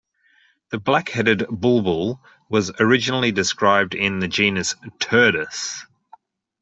The black-headed bulbul was originally described in the genus "Turdus".